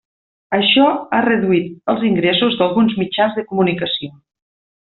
Això ha reduït els ingressos d'alguns mitjans de comunicació.